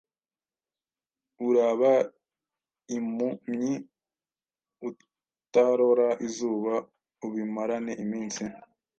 uraba impumyi, utarora izuba, ubimarane iminsi. »